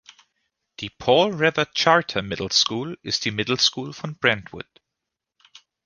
Die Paul Revere Charter Middle School ist die Middle School von Brentwood.